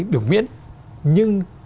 được miễn nhưng